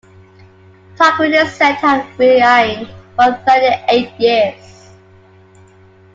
Tarquin is said to have reigned for thirty-eight years.